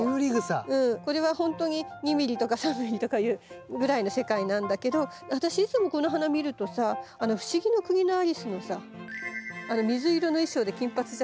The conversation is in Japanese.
これは本当に２ミリとか３ミリとかいうぐらいの世界なんだけど私いつもこの花見るとさ「不思議の国のアリス」のさ水色の衣装で金髪じゃない？